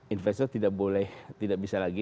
investor tidak boleh tidak bisa lagi